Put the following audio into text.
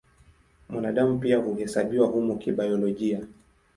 Mwanadamu pia huhesabiwa humo kibiolojia.